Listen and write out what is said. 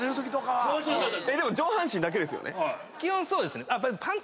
基本そうですね。